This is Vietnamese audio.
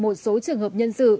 một số trường hợp nhân sự